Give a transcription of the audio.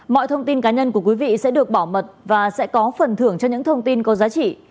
mọi thông tin cá nhân của quý vị sẽ được bảo mật và sẽ có phần thưởng cho những thông tin có giá trị